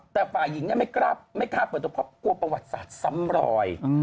แต่ฝ่ายหญิงไม่กล้าบไม่กล้าบเหมือนจะกลับกลัวประวัติศาสตร์ซ้ำรอย